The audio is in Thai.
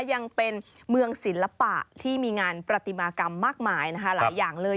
ยังเป็นเมืองศิลปะที่มีงานประติมากรรมมากมายนะคะหลายอย่างเลย